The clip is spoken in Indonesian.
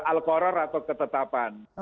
al qoror atau ketetapan